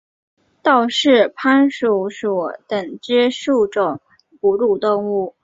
道氏攀鼠属等之数种哺乳动物。